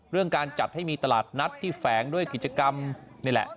การจัดให้มีตลาดนัดที่แฝงด้วยกิจกรรมนี่แหละ